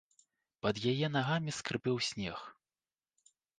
Пад яе нагамі скрыпеў снег.